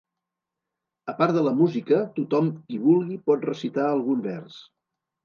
A part de la música, tothom qui vulgui pot recitar algun vers.